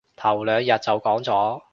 頭兩日就講咗